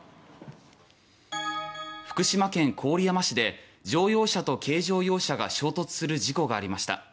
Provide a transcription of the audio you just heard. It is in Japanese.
福島県郡山市で乗用車と軽乗用車が衝突する事故がありました。